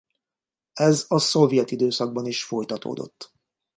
Ez a szovjet időszakban is folytatódott.